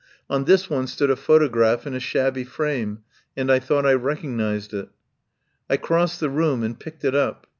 On this one stood a photograph in a shabby frame, and I thought I recognised it. I crossed the room and picked it up.